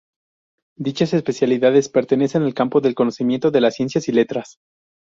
Dichas especialidades pertenecen al campo del conocimiento de las ciencias y letras.